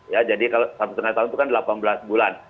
ya jadi kalau satu setengah tahun itu kan delapan belas bulan